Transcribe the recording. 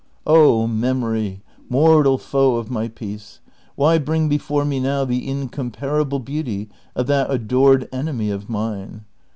Oh memory, mortal foe of my jjcace ! why bring before me now the incomparable beauty of that adored enemy of mine